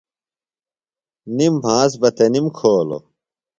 نِم مھاس بہ تنِم کھولوۡ۔